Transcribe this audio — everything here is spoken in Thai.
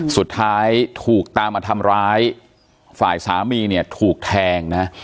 สุดท้ายถูกตามมาทำร้ายฝ่ายสามีเนี่ยถูกแทงนะ